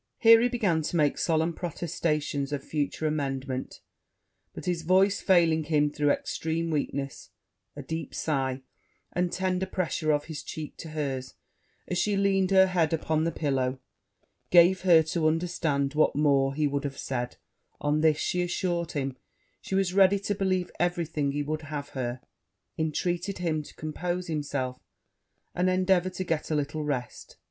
Here he began to make solemn protestations of future amendment; but his voice failing him, through extreme weakness, a deep sigh, and tender pressure of his cheek to hers, as she leaned her head upon the pillow, gave her to understand what more he would have said: on this she assured him she was ready to believe every thing he would have her intreated him to compose himself, and endeavour to get a little rest.